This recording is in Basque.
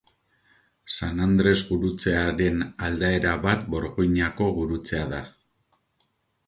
San Andres gurutzearen aldaera bat Borgoinako gurutzea da.